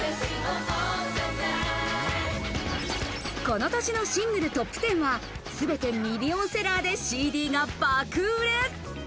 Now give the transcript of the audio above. この年のシングルトップテンはすべてミリオンセラーでＣＤが爆売れ。